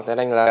thế nên là